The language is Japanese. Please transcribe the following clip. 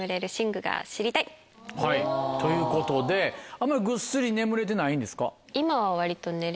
はいということであんまりぐっすり眠れてないんですか？